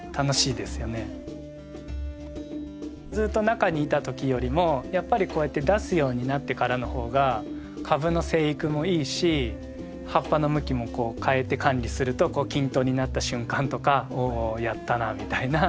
ずっと中にいた時よりもやっぱりこうやって出すようになってからのほうが株の生育もいいし葉っぱの向きもこう変えて管理すると均等になった瞬間とか「おやったな」みたいな。